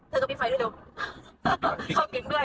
แล้วพักเป็นคำวัญเนาะ